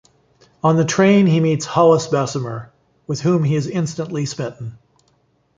On the train he meets Hollis Bessemer, with whom he is instantly smitten.